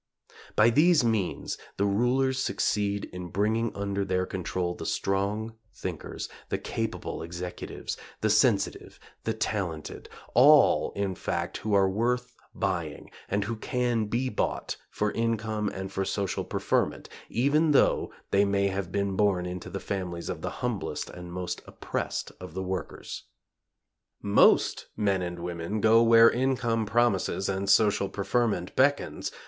By these means the rulers succeed in bringing under their control the strong thinkers, the capable executives, the sensitive, the talented all in fact who are worth buying, and who can be bought for income and for social preferment, even though they may have been born into the families of the humblest and most oppressed of the workers. Most men and women go where income promises and social preferment beckons.